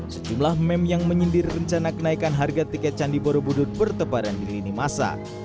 sejumlah meme yang menyindir rencana kenaikan harga tiket candi borobudur bertebaran di lini masa